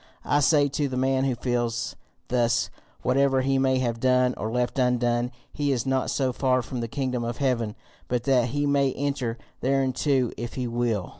I say to the man who feels thus, whatever he may have done or left undone, he is not so far from the kingdom of heaven but that he may enter thereinto if he will.